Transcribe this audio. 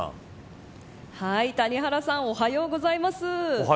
谷原さんおはようございます。